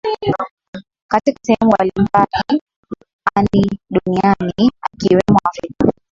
katika sehemu mbali mbaliani duniani ikiwemo Afrika